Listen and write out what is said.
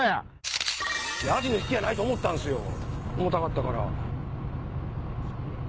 アジの引きやないと思ったんすよ重たかったから。